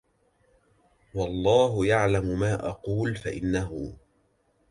والله يعلم ما أقول فإنه